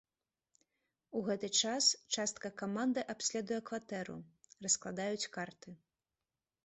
У гэты час частка каманды абследуе кватэру, раскладаюць карты.